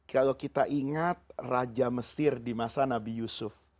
kalau kita ingat raja mesir di masa nabi yusuf